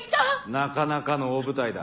なかなかの大舞台だ。